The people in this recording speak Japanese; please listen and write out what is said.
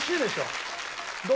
どう？